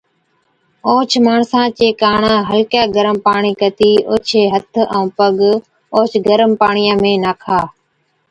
اوهچ ماڻسا چي ڪاڻ هلڪَي گرم پاڻِي ڪتِي اوڇي هٿ ائُون پگ اوهچ گرم پاڻِيان ۾ ناکا۔